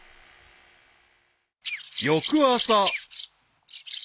［翌朝］